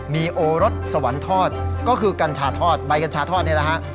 มีโอรสสวรรค์ทอดก็คือกัญชาทอดใบกัญชาทอดนี่แหละฮะ